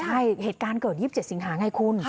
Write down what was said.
ใช่เหตุการณ์เกิด๒๗สิงหาไงคุณ